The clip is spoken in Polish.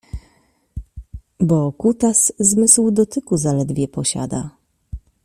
Bo kutas zmysł dotyku zaledwie posiada